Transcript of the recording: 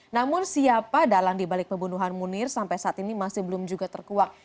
namun siapa dalang dibalik pembunuhan munir sampai saat ini masih belum juga terkuak